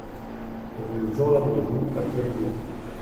Rue Jean Lannemajou à Périgueux